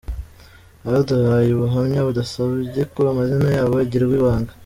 Abaduhaye ubuhamya badusabye ko amazina yabo agirwa ibanga.